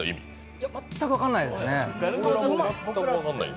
いや、全く分からないですね